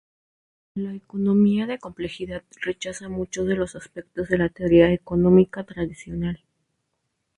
La economía de complejidad rechaza muchos de los aspectos de la teoría económica tradicional.